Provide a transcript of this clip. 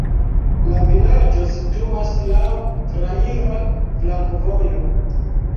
La vilaĝo situas laŭ traira flankovojo.